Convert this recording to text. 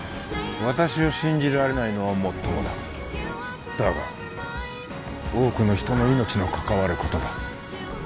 私を信じられないのはもっともだだが多くの人の命の関わることだ